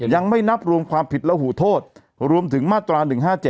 ยังไม่นับรวมความผิดและหูโทษรวมถึงมาตรา๑๕๗